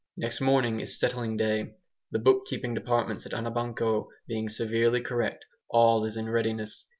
Next morning is settling day. The book keeping departments at Anabanco being severely correct, all is in readiness.